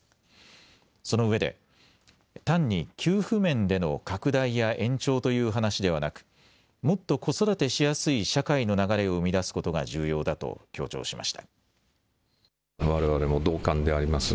そのうえで単に給付面での拡大や延長という話ではなく、もっと子育てしやすい社会の流れを生み出すことが重要だと強調しました。